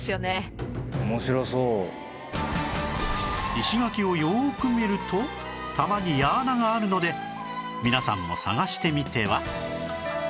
石垣をよーく見るとたまに矢穴があるので皆さんも探してみては